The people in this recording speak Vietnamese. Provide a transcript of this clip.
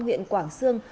nguyện quảng sương